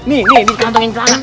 nih nih di kantongnya di celana